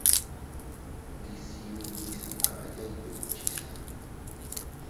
Ndisiubi sakaya iydukchisa.